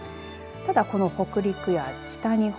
ただ、この北陸や北日本